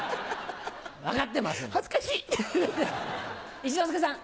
一之輔さん。